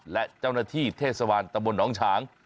และเจ้าหน้าที่เทศสวรรษตำบลนองฉาง